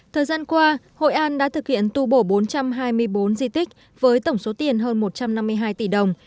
thời gian qua hội an đã thực hiện tu bổ bốn trăm hai mươi bốn di tích với tổng số tiền hơn một trăm năm mươi hai tỷ đồng